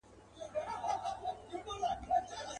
چي پر ما باندي یې سیوری کله لویږي.